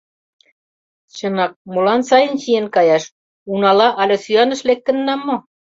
Чынак, молан сайын чиен каяш, унала але сӱаныш лектынна мо?